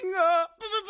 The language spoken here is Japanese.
プププ！